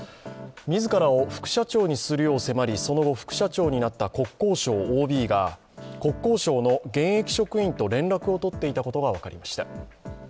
自らを副社長にするよう迫り、その後、副社長になった国交省ＯＢが国交省の現役職員と連絡を取っていたことが分かりました。